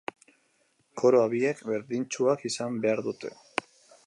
Koroa biek berdintsuak izan behar dute.